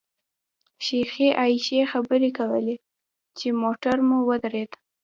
شیخې عایشې خبرې کولې چې موټر مو ودرېد.